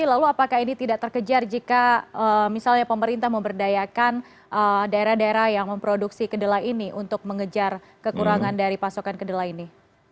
lalu apakah ini tidak terkejar jika misalnya pemerintah memberdayakan daerah daerah yang memproduksi kedelai ini untuk mengejar kekurangan dari pasokan kedelai ini